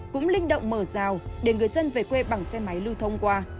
cũng linh động mở rào để người dân về quê bằng xe máy lưu thông qua